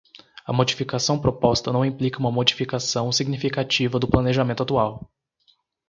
A modificação proposta não implica uma modificação significativa do planejamento atual.